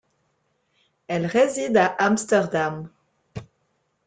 Elle réside à Amsterdam.